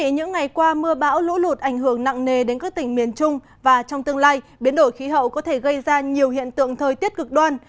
những ngày qua mưa bão lũ lụt ảnh hưởng nặng nề đến các tỉnh miền trung và trong tương lai biến đổi khí hậu có thể gây ra nhiều hiện tượng thời tiết cực đoan